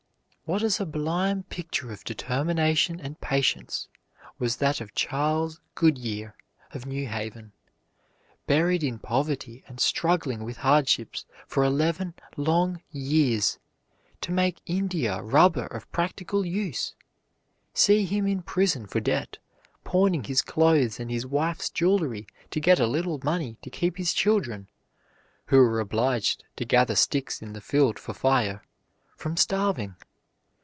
What a sublime picture of determination and patience was that of Charles Goodyear, of New Haven, buried in poverty and struggling with hardships for eleven long years, to make India rubber of practical use! See him in prison for debt; pawning his clothes and his wife's jewelry to get a little money to keep his children (who were obliged to gather sticks in the field for fire) from starving.